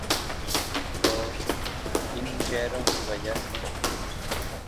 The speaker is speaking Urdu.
تو ان چہروں کی وجہ سے۔